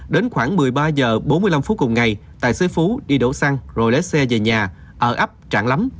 đến khoảng một mươi ba h bốn mươi năm phút cùng ngày tài xế phú đi đổ xăng rồi lé xe về nhà ở ấp trạm lắm